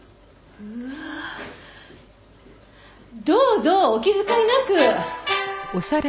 どうぞお気遣いなく！